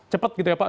cepat gitu ya pak